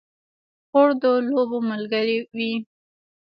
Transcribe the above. خور د لوبو ملګرې وي.